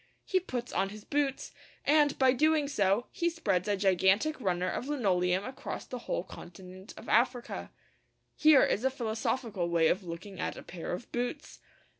He puts on his boots, and, by doing so, he spreads a gigantic runner of linoleum across the whole continent of Africa. Here is a philosophical way of looking at a pair of boots!